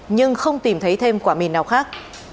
nhưng không tìm thấy thêm quả mìn nào khác